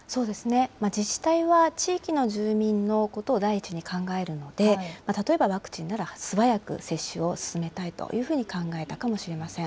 自治体は地域の住民のことを第一に考えるので、例えばワクチンなら素早く接種を進めたいというふうに考えたかもしれません。